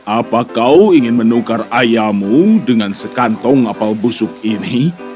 apa kau ingin menukar ayamu dengan sekantong apel busuk ini